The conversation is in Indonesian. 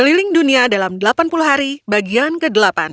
keliling dunia dalam delapan puluh hari bagian ke delapan